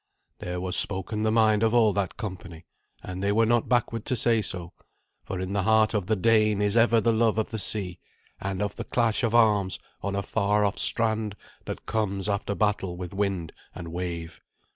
There was spoken the mind of all that company, and they were not backward to say so. For in the heart of the Dane is ever the love of the sea, and of the clash of arms on a far off strand that comes after battle with wind and wave.